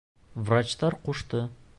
Врачтар ҡушты.